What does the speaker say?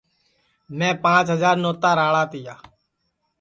میں پانٚچ ہجار نوتا راݪا تیا